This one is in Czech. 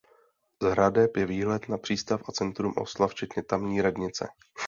Z hradeb je výhled na přístav a centrum Osla včetně tamní radnice.